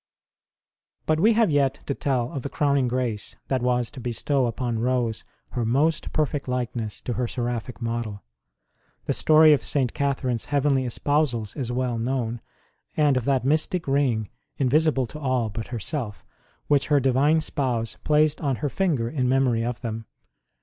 But we have yet to tell of the crowning grace that was to bestow upon Rose her most perfect likeness to her seraphic model. The story of St. Catherine s heavenly espousals is well known, and of that mystic ring invisible to all but herself which her Divine Spouse placed on her ringer in memory of them.